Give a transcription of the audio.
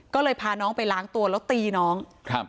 ก็เลยพาน้องไปล้างตัวแล้วตีน้องครับ